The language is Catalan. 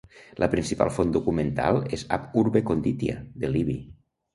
La principal font documental és "Ab Urbe Condita" de Livy.